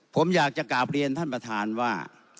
ผมอยากจะกราบเรียนท่านประธานว่า